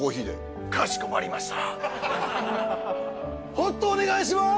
ホットお願いします！